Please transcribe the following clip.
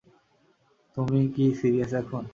তুমি কি সিরিয়াস এখন?